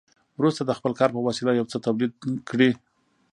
وروسته د خپل کار په وسیله یو څه تولید کړي